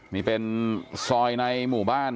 นี่เป็นซอยในหมู่บ้าน